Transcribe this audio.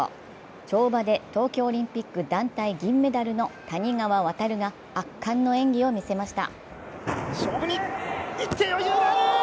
跳馬で東京オリンピック団体銀メダルの谷川航が圧巻の演技を見せました。